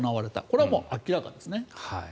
これはもう明らかですね。